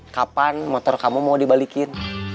kapan motor kamu mau dibalikin